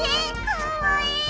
かわいい！